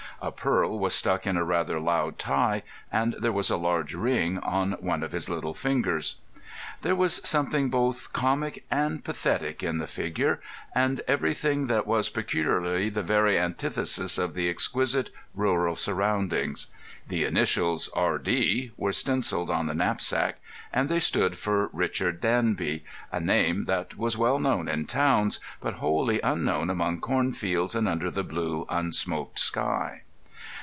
A pearl was stuck in a rather loud tie, and there was a large ring on one of his little fingers. There was something both comic and pathetic In the figure, and everything that was peculiarly the very antithesis of the exquisite rural surroundings. The initials "R. D." were stencilled on the knapsack, and they stood for Richard Danby, a name that was well known in towns, but wholly unknown among cornfields and under the blue, unsmoked sky.